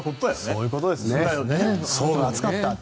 そういうことですね。